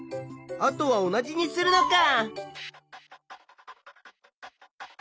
あとは同じにするのか。